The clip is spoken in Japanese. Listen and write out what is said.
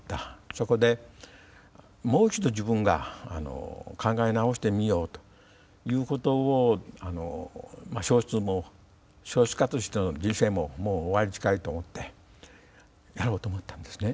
そこでもう一度自分が考え直してみようということを小説も小説家としての人生ももう終わりに近いと思ってやろうと思ったんですね。